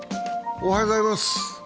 おはようございます。